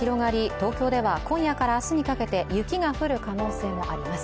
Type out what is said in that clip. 東京では今夜から明日にかけて雪が降る可能性もあります。